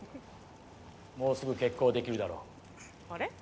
もうすぐ決行できるだろう。